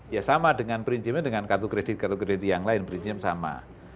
ya sama dengan prinsipnya dengan kartu kredit kartu kredit yang lain prinsipnya sama